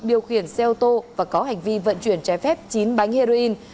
điều khiển xe ô tô và có hành vi vận chuyển trái phép chín bánh heroin